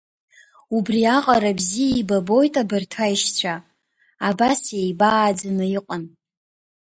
Убри аҟара бзиа еибабоит абарҭ аишьцәа, абас еибааӡаны иҟан.